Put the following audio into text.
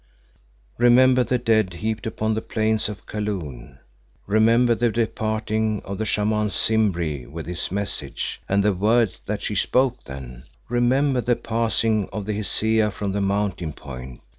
"Remember the dead heaped upon the plains of Kaloon. Remember the departing of the Shaman Simbri with his message and the words that she spoke then. Remember the passing of the Hesea from the Mountain point.